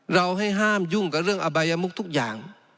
เราให้ห้ามยุ่งกับเรื่องอบายมุกทุกอย่าง